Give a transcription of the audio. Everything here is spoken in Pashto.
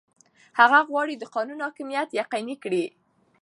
هغه غواړي د قانون حاکمیت یقیني کړي.